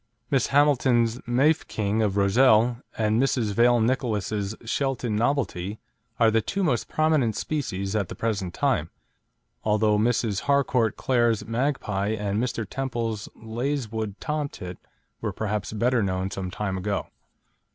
Miss Hamilton's Mafeking of Rozelle, and Mrs. Vale Nicolas's Shelton Novelty, are the two most prominent specimens at the present time, although Mrs. Harcourt Clare's Magpie and Mr. Temple's Leyswood Tom Tit were perhaps better known some time ago.